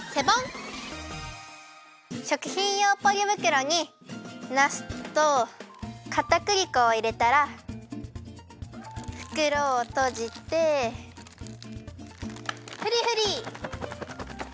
しょくひんようポリぶくろになすとかたくり粉をいれたらふくろをとじてフリフリ！